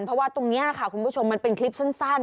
เพราะว่าตรงนี้แหละค่ะคุณผู้ชมมันเป็นคลิปสั้น